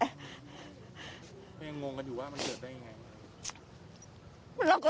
ยังงงกันอยู่ว่ามันเกิดได้ยังไง